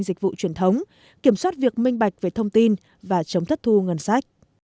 dịch vụ truyền thống kiểm soát việc minh bạch về thông tin và chống thất thu ngân sách